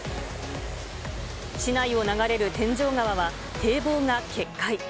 市内を流れる天井川は、堤防が決壊。